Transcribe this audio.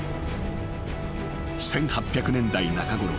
［１８００年代中ごろ